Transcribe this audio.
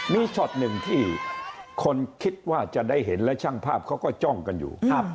มีช็อตหนึ่งที่คนคิดว่าจะได้เห็นและช่างภาพเขาก็จ้องกันอยู่